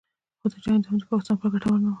خو د جنګ دوام د پاکستان لپاره ګټور نه و